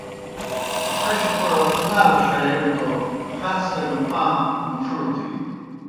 اشپوڑ نال ݜئیگہ تو خر سگہ پاں مُڇھوڑ تِھینوْ